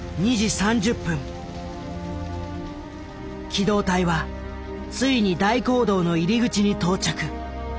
機動隊はついに大講堂の入り口に到着。